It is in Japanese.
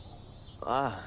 ああ。